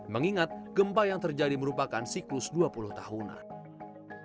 mengingat gempa yang terjadi merupakan siklus dua puluh tahunan